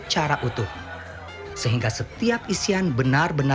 jadi kita akan menggunakan kualitas yang lebih sederhana